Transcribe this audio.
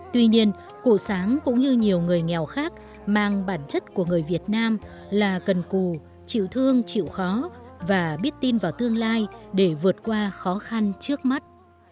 tuy nhiên cụ sáng cũng như nhiều người nghèo khác mang bản chất của người việt nam là cần cù chịu thương chịu khó và biết tin vào tương lai để vượt qua khó khăn trước mắt